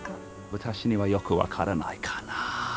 私にはよく分からないかな。